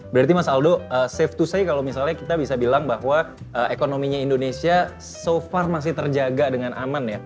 berarti mas aldo safe to say kalau misalnya kita bisa bilang bahwa ekonominya indonesia so far masih terjaga dengan aman ya